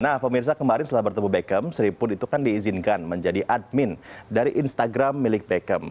nah pemirsa kemarin setelah bertemu beckham seripun itu kan diizinkan menjadi admin dari instagram milik beckham